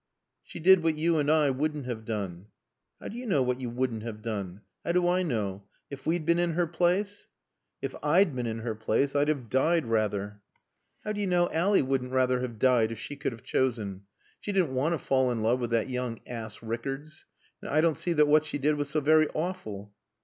"She did what you and I wouldn't have done." "How do you know what you wouldn't have done? How do I know? If we'd been in her place " "If I'd been in her place I'd have died rather." "How do you know Ally wouldn't have rather died if she could have chosen? She didn't want to fall in love with that young ass, Rickards. And I don't see what she did that was so very awful."